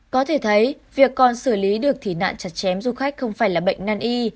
có thể thấy việc còn xử lý được thì nạn chặt chém du khách không phải là bệnh năn y